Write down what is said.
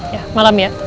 ya malam ya